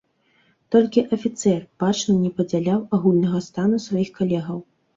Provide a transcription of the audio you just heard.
Толькі афіцэр, бачна, не падзяляў агульнага стану сваіх калегаў.